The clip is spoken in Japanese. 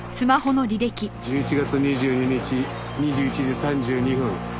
「１１月２２日２１時３２分